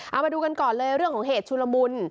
เอามาดูกันก่อนเลยเรื่องของเหตุชุลมุน